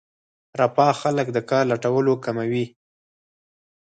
رفاه خلک د کار لټولو کموي.